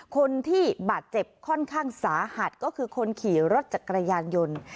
คนที่บาดเจ็บค่อนข้างสาหัสก็คือคนขี่รถจักรยานยนต์